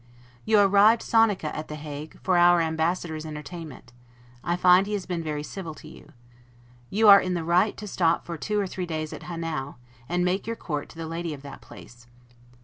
You arrived 'sonica' at The Hague, for our Ambassador's entertainment; I find he has been very civil to you. You are in the right to stop for two or three days at Hanau, and make your court to the lady of that place.